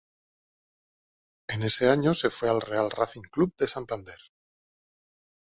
En ese año se fue al Real Racing Club de Santander.